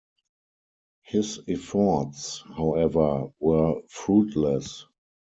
His efforts, however, were fruitless.